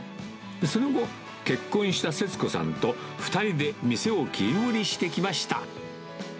その後、結婚した設子さんと２人で店を切り盛りしてきました。